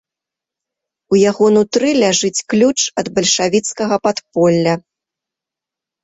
У яго нутры ляжыць ключ ад бальшавіцкага падполля.